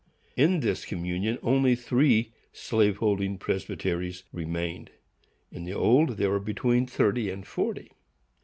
In this communion only three slave holding presbyteries remained. In the old there were between thirty and forty.